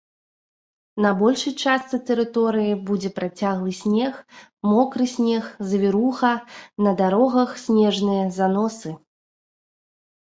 На большай частцы тэрыторыі будзе працяглы снег, мокры снег, завіруха, на дарогах снежныя заносы.